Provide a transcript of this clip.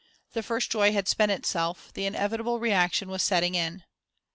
The first joy had spent itself, the inevitable reaction was setting in.